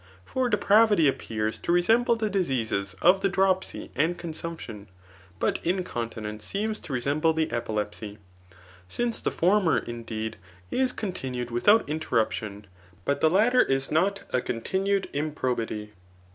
For depravity appears to resemble the diseases of the dropsy and consamption, but incontinence seems to resemble the epilepsy ; since the former, indeed, is continued \rithout interruption, but the latter is not a continued improbity.